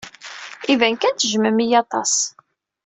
Iban kan tejjmem-iyi aṭas.